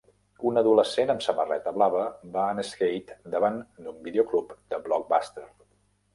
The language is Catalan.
Un adolescent amb samarreta blava va en skate davant d'un videoclub de Blockbuster